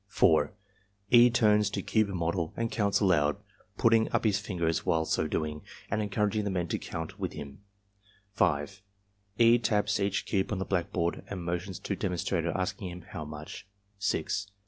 (4) E. turns to cube model and counts aloud, putting up his fingers while so doing, and encouraging the men to count with him. (5) E. taps each cube on the blackboard and motions to demonstrator, asking him "How much?"